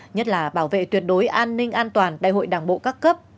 nhất là bảo vệ tuyệt đối an ninh an toàn đại hội đảng bộ các cấp